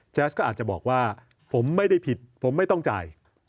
ก็อาจจะบอกว่าผมไม่ได้ผิดผมไม่ต้องจ่าย